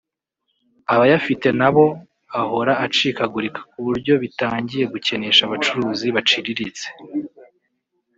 Abayafite nabo ahora acikagurika kuburyo bitangiye gukenesha abacuruzi baciriritse